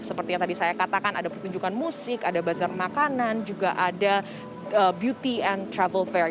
seperti yang tadi saya katakan ada pertunjukan musik ada bazar makanan juga ada beauty and travel fair